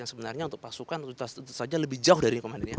yang sebenarnya untuk pasukan untuk juta saja lebih jauh dari ini ya komandan